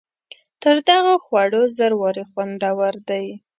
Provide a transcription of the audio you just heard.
تر دغو خوړو زر وارې خوندور دی.